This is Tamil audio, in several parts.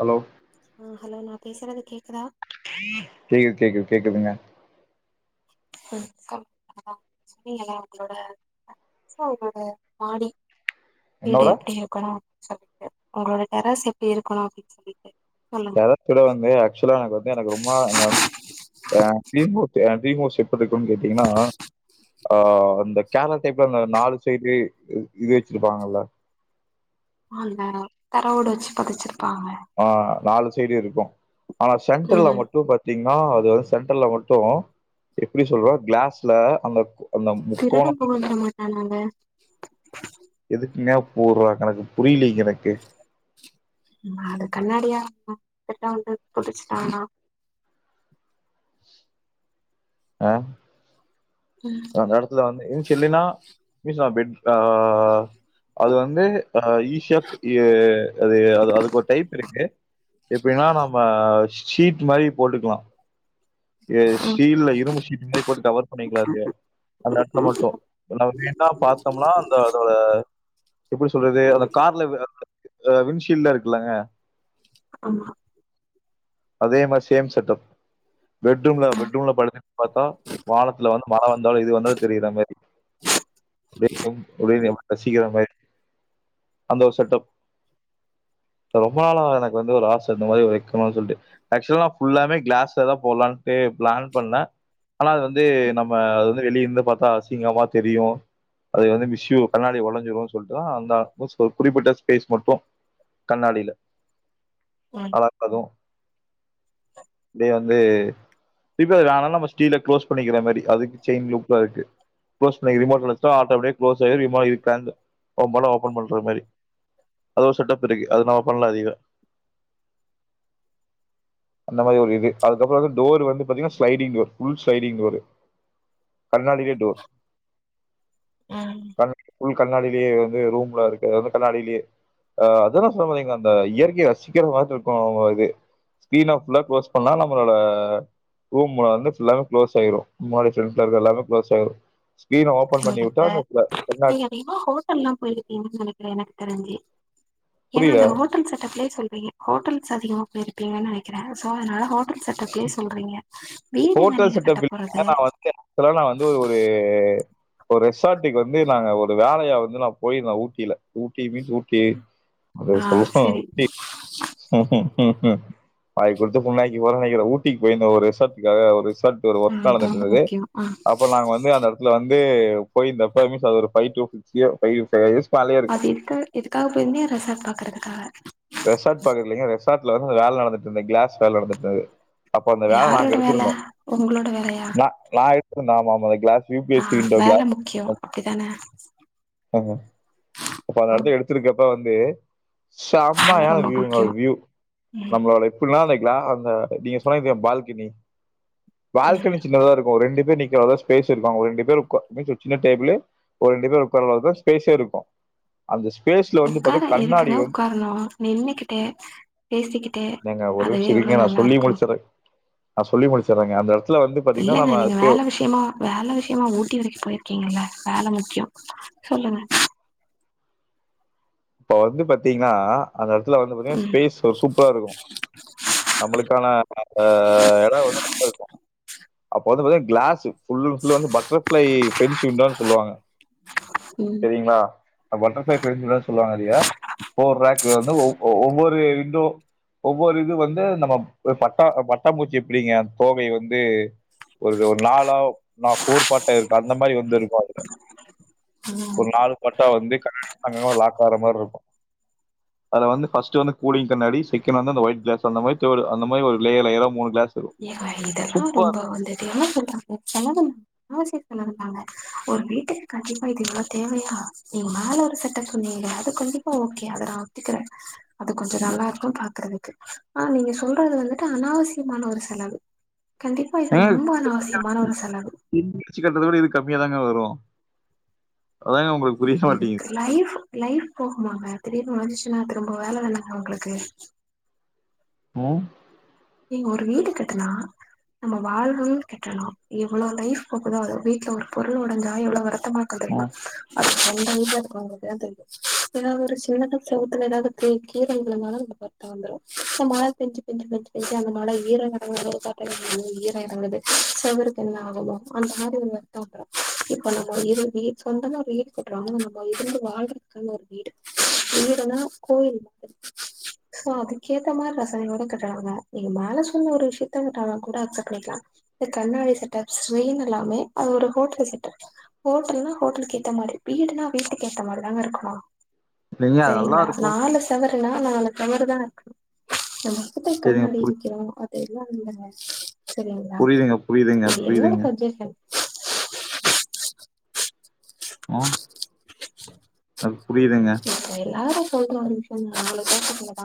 ஹலோ ஆ ஹலோ நா பேசறது கேக்குதா கேக்குது கேக்குது கேக்குதுங்க [inaudible] ன்ன அவங்களோட [inaudible] அவங்களோட மாடி வீடு என்னோட எப்டியோ கனோ அப்டி சொல்லிட்டு உங்களோட டெரஸ் எப்டி இருக்கனோ அப்டின் சொல்லிட்டு சொல்லு அதா சொல்ல வந்தே ஆக்சுவலா எனக்கு வந்து எனக்கு ரொம்ப [inaudible] ஹ டிரீம்வத்த டிரீம்மவுஸ் எப்டி இருக்கனுன் கேட்டீங்கனா ஆ அந்த கேரள த்தைப்ல அந்த நாலு சைடு இது வெச்சிருப்பாங்கல்ல வந்தனா தரயோட வச்சு பொதச்சிருப்பாங்க ஆ நாலு சைடு இருக்கு ஆனா சென்ட்ரல்ல ம் மட்டு ப திங்னா அது வந்து சென்டர்ல மட்டு எப்டி சொல்ற கிளாஸ்ல அந்த அந்த சிறகல் முக்கோணம் போக விட மாட்டானங்க எதுக்குங்க போர்றோ கணக்கு புரிலிங் எனக்கு அது கண்ணாடியா [inaudible] வந்து [inaudible] வந்து புடிச்சுட்டானா ஆ [unintelligible] ம் இதுல வந்து எது சொல்லினா [unintelligible] அது வந்து அ ஈஷக் ஏ அது அ அதுக்கு ஒரு டைப் இருக்கு எப்டின்னா நம்ம ஷீட் மாதிரி போட்டுக்கலா ஏ ம் ஷீல இது மேரி போட்டு கவர் பண்ணிக்கலா [inaudible] அந்த எடத்தல மட்டு ம் நம்ம மெயினா பாத்தம்னா அந்த அதோட எப்டி சொல்றது அந்த கார்ல அ வின்ஷீட்லா இருக்குலங்க ஆமா அதே மாரி சேம் செட்டப் பெட்ரூம்ல ம் பெட்ரூம்ல படு பாத்தா வானத்துல வந்து மழ வந்தாலு இது வந்தாலு தெரிற மாரி அது [unintelligible] ரசிக்கிற மாரி அந்த ஒரு செட்டப் இல்ல ரொம்ப நாளா எனக்கு வந்து ஒரு ஆச இந்த மாரி ஒரு வைக்கணுன் சொல்ட்டு ஆக்சுவலா நா ஃபுல்லாமே கிளாஸ்ல தா போட்லான்டே பிளான் பண்ணே ஆனா அது வந்து ம் நம்ம அது வந்து வெளிலருந்து பாத்தா அசிங்கமா தெரியு அது வந்து விஷ்யு கண்ணாடி ஓடஞ்சிடு சொல்ட்டுதா அந்த ஸ்பேஸ் குறிப்பிட்ட ஸ்பேஸ் மட்டு கண்ணாடில ம் [inaudible] அது டெய்லி வந்து ஸ்கீரீன க்ளோஸ் பண்ணிக்கிற மெரி அதுக்கு செயின் லூப்லா இருக்கு க்ளோஸ் பண்ண ரிமோட் எடுத்தா ஆட்டோமேட்டிக்கா க்ளோஸ் ஆயிரு [inaudible] நம்பலா ஓப்பன் பண்ற மாரி அது ஒரு செட்டப் இருக்கு அது நம்ம பண்ணலா அதிக அந்த மாரி ஒரு இது அதுக்கப்றோ வந்து டோர் வந்து பாத்தீங்னா sliding door full sliding door கண்ணாடியே டோர் ம் ம் ஃபுல் கண்ணாடிலியே இது வந்து ரூம்லா இருக்கதுனால கண்ணாடிலே அ அத தா சொல்ல வந்தே இங்க அந்த இயற்கைய ரசிக்கிற மாரி இருக்கு இது ஸ்க்ரீன ஃபுல்லா க்ளோஸ் பண்ணா நம்மளோட ரூம்ல வந்து எல்லாமே க்ளோஸ் ஆயிரு முன்னாடி ஃப்ரண்ட்ல இருக்க எல்லாமே க்ளோஸ் ஆயிரு ஸ்க்ரீன ஓப்பன் பண்ணி உட்டா அந்த கண்ணா சிவா ஹோட்டல்லா போயிருக்கீங்கன் சொல்லிருக்கா எனக்கு தெரிஞ்சு ஏனா புரியல. அந்த ஹோட் டல் செட்டப்லே சொல்றீங்க ஹோட்டல்ஸ் அதிகமா போயிருப்பிங்கன் நெனைக்கிறே சோ அதனால ஹோட்டல் செட்டப்லே சொல்றீங்க [inaudible] ஹோட்டல் நீங்க கட்ட செட்டப் போறது இல்ல நா வந்த எடத்துல நா வந்து ஒரு ஒரு ரெசார்ட்டுக்கு வந்து நா அங்க ஒரு வேலையா வந்து நா போயிருந்தே ஊட்டில ஊட்டி மீன்ஸ் ஊட்டி அத ஆ சொல்றே சரி ஊட்டி வாய் குடுத்து புண்ணாக்கிப்பே நெனைக்கிறே ஊட்டி போயிருந்தே ஒரு ரெசார்டுக்காக ஒரு ரெசார்ட்ல ஒரு ஆ ஒர்க் ரொம்ப நடந்துட்ருந்துது முக்கியோ ஆ அப்ப நாங்க வந்து அந்த இதுல வந்து போயிருந்தப்ப மீன்ஸ் அது ஒரு five two six year five years மேலயே இருக்கும் அது எதுக்கு எதுக்காக போயிருந்தே ரெசார்ட் பாக்குறதுக்காக ரெசார்ட் பாக்க இல்லைங்க ரெசார்ட்ல வந்து அந்த வேல நடந்துட்டு இருந்தது கிளாஸ் வேலை நடந்துட்ந்துது அப்ப அந்த வேல யாரோட நாங்க எடுத் வேல இருந்தோ உங்களோட வேலையா ந நா எத்து இருந்தே ஆமா ஆமா அந்த கிளாஸ் ஆ யூபிஎஸ்சி விண்டோ வேல கிளாஸ் முக்கியோ அப்டிதான ஆமா அப்ப அந்த ஆ இடத்து எடுத்துருக்கப்ப வந்து வேல சமாயான ரொம்ப வியூங்க முக்கியோ வியூ ம் நம்மளோ எப்டினாலு வைக்லா அந்த நீங்க சொன்னங்ளே பால்கெனி பால்கனி ம் சின்னதா இருக்கு ஒரு ரெண்டு பேர் நிக்ற அளவு ஸ்பேஸ் இருக்கு அவ்ங்க ரெண்டு பேர் உக்கா ம சின்ன டேபிளு ஒரு ரெண்டு பேர் உக்கார அளவுதா ஸ்பேஸே இருக்கு அந்த ஸ்பேஸ்ல உக்கார கண்ணாடி எதுக்குங்க வந்து உக்காரணு நின்னுகிட்டே பேசிக்கி ஏங்க ஒரு நிம்ச இரிங்க நா சொல்லி முடிச்சறேன் நா சொல்லி முடிச்சறேங்க அந்த எடத் துல வந்து பாத்தீங்கன்னா இல்லங்க நம்ம நீங்க ஸ்கியூ வேல விஷயமா வேல விஷயமா ஊட்டி வரைக்கு போயிருக்கீங்கல்ல வேல முக்கியோ சொல்லுங்க இப்ப வந்து பாத்தீங்னா அந்த எடத்துல வந்து பாதிங்னா ம் ஸ்பேஸ் ஒரு சூப்பரா இருக்கு நம்மளுக்கான அந்த எடம் வந்து நல்லாருகு இருக்கு அப்போ வந்து பாத்தீங்கனா கிளாஸு ஃபுல்ன் ஃபுல் வந்து பட்டர்ஃப்ளை ஃப்ரெண்ட்ஸ்யூ னு தா சொல்லுவாங்க ம் செரிங்களா பட்டர்ஃபிளை ஃப்ரெண்ட்ஸ் னு தா சொல்லுவாங்க ழியா போ ரேக்ல வந் ஒவ் ஒவ்வொரு விண்டோ ஒவ்வொரு இது வந்து நம்ம பட்டா பட்டம்பூச்சி எப்டிங்க தோகை வந்து ஒரு ஒரு நாலோ போர் பட்டே இருக்கு அந்த மாரி வந்து இருக்கு அது ம் ஒரு நாலு பட்டா வந்து கன்னாடிங்க லாக்கார மாரி இருக்கு அத வந்து ஃபஸ்ட் வந்து கூலிங் கண்ணாடி செகண்ட் வந்து அந்த ஒயிட் கிளஸ் அந்த மாரி செவரு அந்த மாரி லேயர் லேயரா மூணு கிளாஸ் இருக்கும். ஏக இதெல்லா சூப்பரா ரொம்ப வந்து இத என்ன சொல்லுறது செலவளி யோசிக்கலா மாட்டாங்க ஒரு வீட்டுக்கு கண்டிப்பா இது இவளோ தேவையா நீமேல ஒரு செட்டப் பன்னீங்ளே அது கொண்டிப்பா ஓகே அத நா ஒத்திக்கிறே அது கொஞ்ச நல்லா இருக்கு பாக்குறதுக்கு ஆ நீங்க சொல்றது வந்துட்டு அனாவசியமான ஒரு செ செலவு கண்டிப்பா இது ரொம்ப அனாவசியமான ஒரு செலவு இடிசி‌‌‍ கட்டறதட இது கம்மியாதாங்க வரு அதாங்கே உங்கள் இதுக்கு லைஃப் லைஃப் போகுமாங்க திடீர்னு ஒடன்ச்சுன்னா அதுக்கு ரொம்ப வேல வோனுங்க உங்களுக்கு ம் நீங்க ஒரு வீடு கட்டுனா நம்ம வாழ்ன்னுனு கெட்டணு எவ்ளவு லைஃப் போகுதோ அது வீட்ல ஒரு பொருள் ஒடஞ்சா எவ்ளோ வருத்தமா குது ம். அது செந்த வீடுல இருக்ரவங்களுக்கு தா தெரியு எதனா ஒரு சின்னதா செவத்துல எதாவ்து இப்டி கீரல் விலுந்தாலு அந்தமாரி வந்துரு இந்த மழ பெஞ்சு பெஞ்சு பெஞ்சு பெஞ்சு அந்தமழ ஈர இறங்கறத பாத்தாலே தெரியுது ஈர இறங்குது செவருக்கு என்ன ஆகமோ அந்த மாரி இப்ப நம்ம வீடு சொந்தமா ஒரு வீடு கொட்டுறோனா நம்ம இருந்து வாழ்றக்கான ஒரு வீடு விடுனா கோயில் சோ அதுக்கேத்த மாரி ரசனையோட கட்டனுங்க நீங்க மேல சொன்ன ஒரு விஷயத்த ட்டனா கூட அக்சப்ட் பண்ணிக்கலாம் இந்த கண்ணாடி தப் ஸ்ட்ரைன் எல்லாமே அது ஒரு ஹோட்டல் செட்டப் ஹோட்டல்ன்னா ஹோட்டலுக்கு ஏத்த மாரி வீடுனா வீட்டுக்கு ஏத்த மாரி தாங்க இருக்கணு இல்லைங்க அது நல்லா செரிங்களா இருக்கும். நாலு ஸ் தொவறுனா நாலு தொவறு தா இருக்கனு நமக்கு எதுக் சரிங்க கண்ணாடி புரி க்கிறோ அத எல்லா இல்லங்க செரிங்களா புரியுதுங்க, புரியுதுங்க, இது என்னொட புரியுதுங்க. சஜெஷன் ஆ அது புரியுதுங்க இப்ப எல்லாரு சொல்ற ஒரு விஷயம்தா நம்மளுக்கு [unintelligible] தா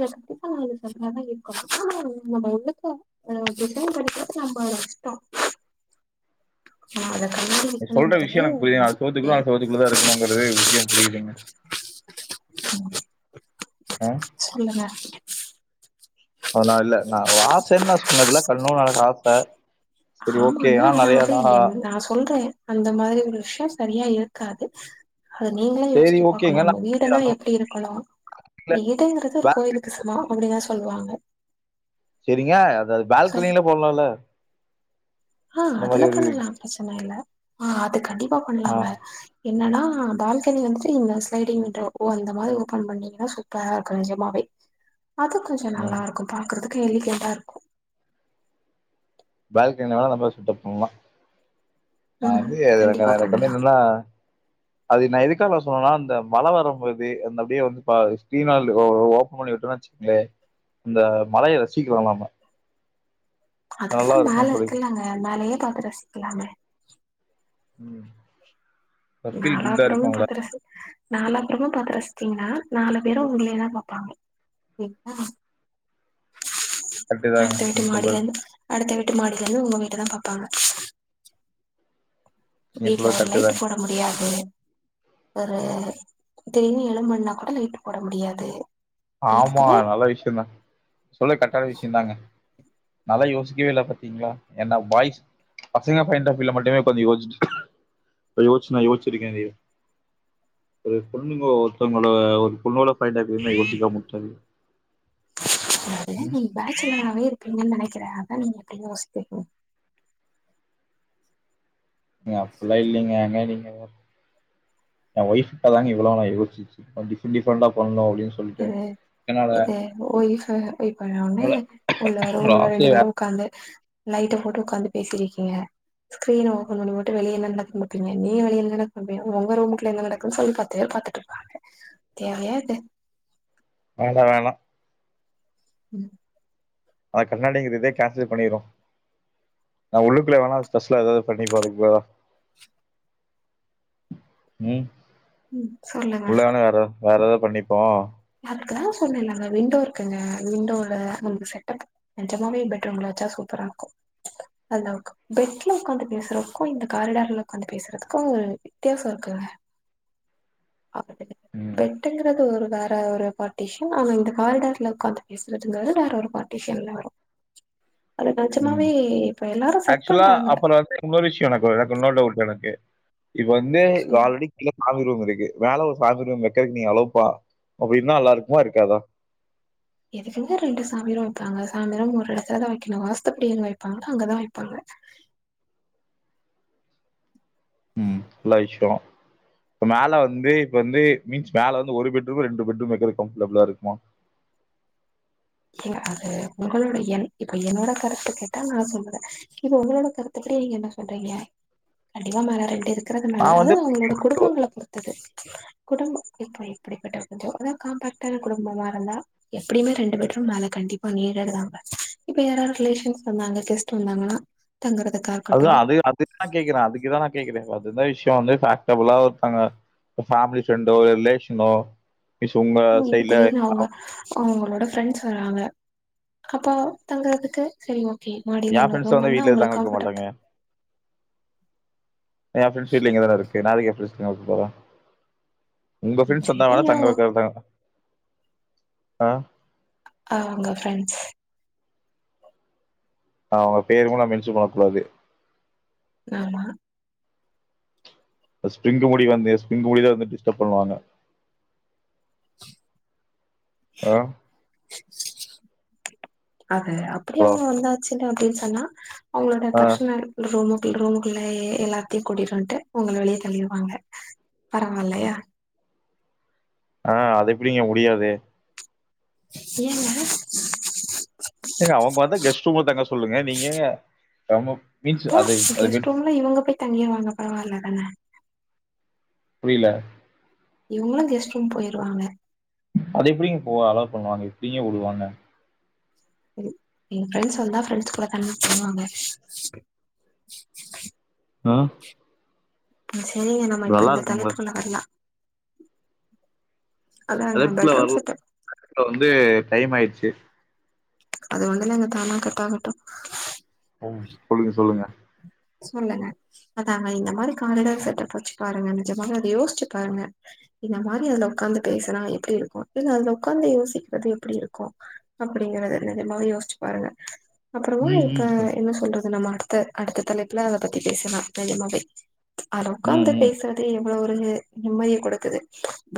[unintelligible] கண்டிப்பா அது சம்மயாதா இருக்கு ஆனாலு நம்ப உள்ளக்க அத ஒரு டிசைன் பண்ணிக்கிறது நம்பளோட் இஷ்டோ நா அத [unintelligible] நீங்க சொல்ற விக்கினுங்கறது விஷயம் எனக்கு புரியுதுங்க. விதி அது ஏ செவுத்துக்குள்ள அந்த செவுத்துக்குள்ள தான் இருக்கணுங்கிறது விஷயம் புரியுதுங்க. ம் ம். சொல்லுங்க அது நா இல்ல நா ஒரு ஆசைன்னு நா சொன்னதுல பண்ணுன் எனக்கொரு ஆச ஆமாங்க ஆனா அது என் நா சொல்றே அந்த மாதிரி ஒரு விஷ்யோ சரியா ஏர்க்காது அத நீங்களே சரி யோஸ்ச்சு பாக்கணு ஓகேங்க. நம்ம நான் வீடுனா அந்த எப்டி இருக்கணு வீடுங்கிறது மாரி ஒரு கோயிலுக்கு சமோ அப்டி தா சொல்லுவாங்க செரிங்க அத அது சோ பால்கனில போட்லால ஆ அதுல பண்ணலா ப்ரெச்சன இல்ல ஆ அது கண்டிப்பா ஆ பண்லாங்க என்னன்னா பால்கனி வந்துட்டு நீங்க ஸ்லைடிங் டோர் ஒ அந்த மாரி ஓப்பன் பண்ணிங்கனா சூப்பரா இருக்கு நெஜமாவே அது கொஞ்ச நல்லா ம் இருக்கு பாக்குறதுக்கு எலிகெண்டா இருக்கு பால்கனில வேணா நம்ம சுட்டப் பண்லா நா ம் வந்து எது [unintelligible] கண்டிப்பா எனக் பண்ணலா வந்து என்னனா அது நா எதுக்காக சொன்னேன்னா அந்த மழ வரும் போது அந்த அப்டியே வந்து ப ஸ்கிரீன வந்து ஒ ஒ ஓபன் பண்ணி விட்டே வச்சிக் கங்க அந்த மழய ரசிக்கிலலாமா அதுக்கு தா மேல இருக்குன்னு சொல்லி இருக்குலாங்க மேலயே பாத்து ரசிக்கலாமே ம் ஒரு ஃபீல் குட்டா நாலாப்புறமு இருக்கும்ல பாத்து ரசி நாலாபுறமு பாத்து ரசிச்சிங்கனா நாலு பேரு உங்ளயேதா பாப்பாங்க சேரிங்ளா கரெக்ட் தாங்க அடுத்த வீட்டு நீங்க சொல்றது மாடியிலந்து அடுத்த வீட்டு மாடியிலந்து உங்க வீட்டதா பாப்பாங்க நீங்க வீட்ல சொல்றது ஒரு கரெக்ட் லைட்டு தாங்க போட முடியாது ஒரு திடீனு எழும்புண்ணா கூட லைட்டு் போட முடியாது ஆமா எதுக்குமே நல்ல விஷ்யந்தா‌ சொல்லக் கர்ட்டான விஷ்யந்தாங்க நான்ல்ல யோசிக்கிவே இல்ல பாத்தீங்ளா ஏன்னா பாய்ஸ் பசங்க பாயின்டாஃப் வீல மட்டுமே கொஞ்சோ யோஸ்ச்சு யோஸ்ச்சு நா யோஸ்ச்சிருக்கே ஒரு பொண்ணுங்கோ ஒருத்தவங்கள ஒரு பொண்ணோட பாயிண்ட் ஆஃப்வீல நா யோசிக்காம உட்டது அதுதா நீங் பேச்சுலராவே இருப்பீங்கன் நெனைக்கிறே அதா நீங்க இப்டி யோசிக்றீங்க ங்க அப்பில்லா இல்லீங்க ஏங்க நீங்க வேற எ ஒய்ஃப்காகதாங்க இவ்ளோல்ல யோசிச்சு வச்சிருக்கே டிஃப்ரெண்ட் டிஃப்ரெண்டா பண்ணு அப்டின் எது எது ஒய்ஃப வெய்ட் பண்ண ஒன்னே என்னோட உள்ளார என்னோட உள்ள ரெண்டு ஆசையே பேரு வே- உக்காந்து லைட்ட போட்டு உக்காந்து பேசிருக்கீங்க ஸ்கிரீன் ஒப்பன் பண்ணி போட்டு வெளிய என்ன நடக்குத் மாப்பீங்க நீ வெளில [unintelligible] உங்க ரூமுக்குல என்ன நடக்குன்னு சொல்லி பத்து பேரு பாத்துட்ருப் தேவையா இது வேண்டா வேணா ம் அத கண்ணாடிக்கிறதே கேன்சல் பண்ணிறோ நா உள்ளுக்குல்ல வேணா ஸ்பெஷலா எதாவ்து பண்ணி [unintelligible] ம் ம் சொல்லுங்க உள்ளவேனா வேற வேற ஏதாவது பண்ணிப்போ அதுக்குதா சொன்னேலங்க விண்டோ இருக்குங்க விண்டோல நமக்கு செட்டப் நிஜமாவே பெட்ரூம்ல வெச்சா சூப்பரா இருக்கு அதா பெட்ல உக்காந்து பேசுறதுக்கு இந்த காரிடார்ல உக்காந்து பேசுறதுக்கு வித்தியாசோ இருக்குங்க பாக்குறதுக்கு ம் பெட்டுங்கிறது ஒரு வேற ஒரு பார்டிஷியன் ஆனா இந்த காரிடர்ல உக்காந்து பேசுறதுங்கிறது வேற ஒரு பார் டிஷன்ல வரும் அது ம் நஜமாவே ஆக்சுவலா அப்றோ வந்து இன்னொரு விஷயோ எனக்கு எனக்கு இன்னொரு டவுட் எனக்கு இப்ப வந்து சொல்லு ஆல்ரெடி உள்ள சாமி ரூம் இருக்கு மேல ஒரு சாமி ரூம் வைக்குறக்கு நீ அளோ பா அப்டின்னா நல்லாருக்குமா இருக்காதா எதுக்குங்க ரெண்டு சாமி ரூம் வைப்பாங்க சாமி ரூம் ஒரு இடதுல தா வைக்கணு வாஸ்துப்படி எங்க வைப்பாங்களோ அங்கதா வைப்பாங்க ம் நலவிஷ்யோ மேல வந்து இப்ப வந்து மீன்ஸ் மேல வந்து ஒரு பெட்ரூம் ரெண்டு பெட்ரூம் வைக்கறதுக் கம்ஃபர்டபுளா இருக்கும்மா ஏங்க அது உங்களோட என் இப்ப என்னோட கருத்து கேட்டா நா சொல்லுவ இப்ப உங்களோட கருத்து படி நீங்க என்ன சொல்றீங்க கண்டிப்பா மேல ரெண்டு இருக்கிறது நா நல்லது அது வந்து அவுங்களோட குடும்பங்கள பொறுத்தது குடும்போ இப்போ எப்படிப்பட்ட கொஞ்சோ அதா காம்பாக்டான குடும்பமா இருந்தா எப்படியுமே ரெண்டு பெட்ரூ ம் மேல கண்டிப்பா நீடெட்தாங்க இப்ப யாராவது ரிலேஷன்ஸ் வந்தாங்க ஜெஸ்ட்டு வந்தாங்கன்னா தங்கறதுக்கா அதா அதே அதுக்கு தா கேக்குற அதுக்கு தா நா கேக்குற அது இந்த விஷயோ இந்து ஃபக்டபுளா இருகாங்க ஃபேமிலி ஃப்ரெண்டோ ரிலேஷனோ அட்லீஷ் உங்க சைடுல அ உங்களோட ஃப்ரெண்ட்ஸ் வராங்க அப்போ தங்குறதுக்கு சரி ஓகே மாடியில‌ ஏ இன்னொரு ஃப்ரெண்ட்ஸ்லா ரூம் வந்து இருந்தா வீட்ல உங்களுக்கு தங்க வைக்க மாட்டாங்க கம்ஃபர்டபுள் எ ஃப்ரெண்ட்ஸ் வீட்லா இங்க தானே இருக்கு நா எதுக்கு எ ஃப்ரெண்ட்ஸ் எங்கயாவது போவ உங்க ஃப்ரெண்ட்ஸ் வந்தா சரி வேன தங்க அவங்க வைக்குறதா ஆ ஆவுங்க ஃப்ரெண்ட்ஸ் அவுங்க பேருக்கூட நா மென்ஷன் பண்ணக் கூடாது ஆமா அந்த ஸ்பிரிங்கு முடி வந்து ஸ்பிரிங்கு முடிதா வந்து டிஸ்டர்ப் பண்ணுவாங்க ஆ அது அப்டி ஹலோ அவுங்க வந்தாச்சுன்னு அப்டின்னு சொன்னா அவுங்களோட ஆ பெர்ஷனல் ரூமுக்குள்ள ரூமுக்குள்ளயே எல்லாத்தையு கூட்டுவன்ட்டு உங்கள வெளியே தள்ளிருவாங்க பரவாலையா ஆ அது எப்டிங்க முடியாதே ஏங்க ஏங்க அவுங்க வந்தா கெஸ்ட் ரூம்ல தங்க சொல்லுங்க நீங்க ஏங்க நம்ம மீன்ஸ் அப்போ அது அது வெ கெஸ்ட் ரூம்ல இவங்க போய் தங்கிருவாங்க பரவால்ல தான புரியல இவுங்களு கெஸ்ட்ரூம் போயிருவாங்க அது எப்டிங்க போவ அலோ பண்ணுவாங்க எப்டிங்க உடுவாங்க எங்க ஃப்ரெண்ட்ஸ் வந்தா ஃப்ரெண்ட்ஸ் கூட தங்குன் சொல்வாங்க ஆ சேரிங்க நம்ம இப்ப நல்லா இந்த இருக்கும்ல. தலைப்புக்குள்ள வரலா அழைப்புல வரல இப்ப வந்து டைம் ஆயிடுச்சு அது ஒண்ணுயில்லங்க தானா கட் ஆகட்டு ம் சொல்லுங்க சொல்லுங்க சொல்லுங்க அதாங்க இந்த மாரி காரிடர் செட்டப் வச்சு பாருங்க நி்ஜமா அதை யோசிச்சு பாருங்க இந்த மாரி அதுல உக்காந்து பேசுனா எப்டி இருக்கு இல்ல அதுல உக்காந்து யோசிக்கிறது எப்டி இருக்கு அப்டிங்கிறத நிஜமாவே யோசிச்சு பாருங்க அப்றோ ஊழல் ம், இப்ப ம். என்ன சொல்றது நம்ம அடுத்த அடுத்த தலைப்புல அத பத்தி பேசலா நெஜமாவே அதுல ம், உக்காந்து ம். பேசுறதே எவ்ளோ ஒரு நிம்மதிய கொடுக்குது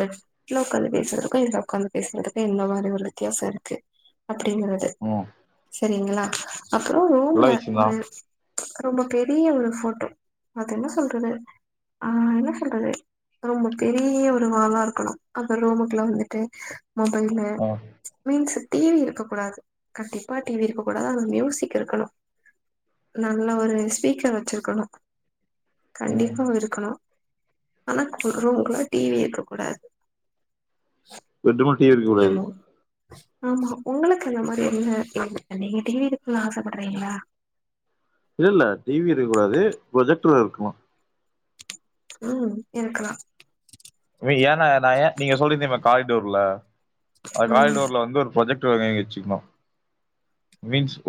பட் உள்ள உக்காந்து பேசுறதுக்கு இதுல உக்காந்து பேசுறதுக்கு என்ன மாரி ஒரு வித்தியாசோ இருக்கு அப்டிங்கறது ம் சேரிங்களா அப்றோ நல்ல ரூம்ல விஷயம் ஒரு தான். ரொம்ப பெரிய ஒரு போட்டோ அது என்ன சொல்றது ஆ என்ன சொல்றது ரொம்ப பெரிய ஒரு வாலா இருக்கணு அந்த ரூமுக்குள்ள வந்துட்டு மொபைல்லு ஆ. மீன்ஸ் டிவி இருக்க கூடாது கண்டிப்பா டிவி இருக்க கூடாது ஆன மியூசிக் இருக்கணு நல்ல ஒரு ஸ்பீக்கர் வச்சிருக்கணு ம். கண்டிப்பா இருக்கணு ஆனா ரூம்குள்ள டிவி இருக்க கூடாது தென்டாமா டி வி இருக் எவ்ளோ ஆமா உங்களுக்கு அந்த மாரி இல்ல என்ன நீங்க டி வி இருக்கணுனு ஆசப்படுறீங்களா இல்ல இல்ல டிவி இருக்கூடாது ப்ரொஜெக்டர் இருக்கலா ம் இருக்கலா எனா நான் ஏ நீங்க சொல்லிருந்தீங்க காரிடோர்ல அந்த ம் காரிடோர்ல வந்து ஒரு ப்ரொஜெக்ட் டர் வாங்கி வச்சுக்கணு மீன்ஸ் ஒ